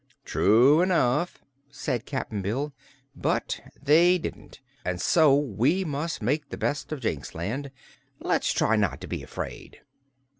"True enough," said Cap'n Bill; "but they didn't, an' so we must make the best of Jinxland. Let's try not to be afraid."